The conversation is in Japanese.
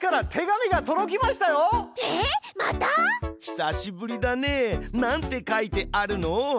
久しぶりだね。なんて書いてあるの？